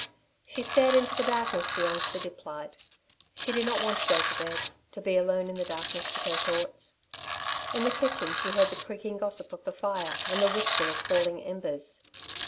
She stared into the darkness beyond the dip light. She did not want to go to bed to be alone in the darkness with her thoughts. In the kitchen she heard the creaking gossip of the fire and the whisper of falling embers.